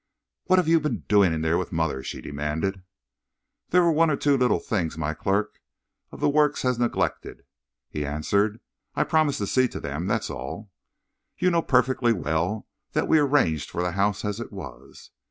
"What have you been doing in there with mother?" she demanded. "There were one or two little things my clerk of the works has neglected," he answered. "I promised to see to them, that's all." "You know perfectly well that we arranged for the house as it was."